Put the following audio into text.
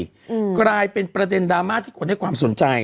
อืมกลายเป็นประเด็นดราม่าที่คนให้ความสนใจ